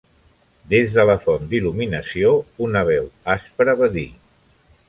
Des de la font d'il·luminació, una veu aspra va dir: